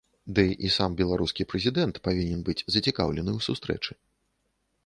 Ды і сам беларускі прэзідэнт павінен быць зацікаўлены ў сустрэчы.